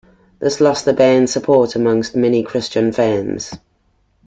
This lost the band support amongst many Christian fans.